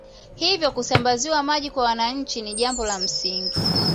Hivyo kusamabaziwa maji kwa wananchi ni jambo la msingi